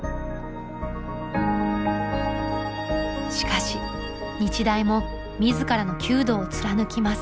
しかし日大も自らの弓道を貫きます。